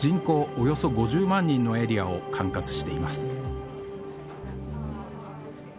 およそ５０万人のエリアを管轄しています